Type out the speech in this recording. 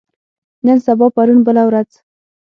نن سبا پرون بله ورځ